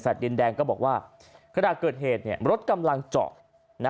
แฟลต์ดินแดงก็บอกว่าขณะเกิดเหตุเนี่ยรถกำลังเจาะนะ